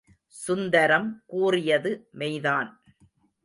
சுந்தரம் கூறியது மெய்தான்.